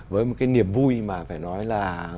với một cái niềm vui mà phải nói là